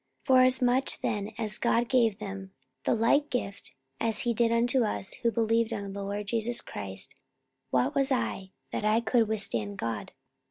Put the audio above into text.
44:011:017 Forasmuch then as God gave them the like gift as he did unto us, who believed on the Lord Jesus Christ; what was I, that I could withstand God?